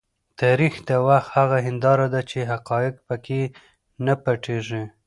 تاریخ د وخت هغه هنداره ده چې حقایق په کې نه پټیږي.